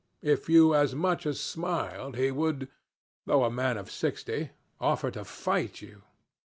If you as much as smiled, he would though a man of sixty offer to fight you.